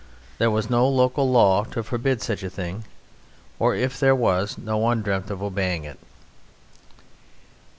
There was no local by law to forbid such a thing, or if there was, no one dreamt of obeying it.